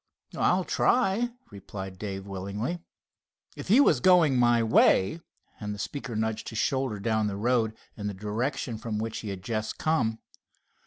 "I'll try," replied Dave willingly. "If you was going my way"—and the speaker nudged his shoulder down the road in the direction from which he had just come.